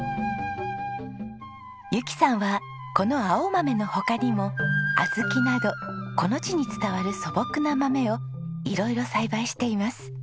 由紀さんはこの青豆の他にも小豆などこの地に伝わる素朴な豆を色々栽培しています。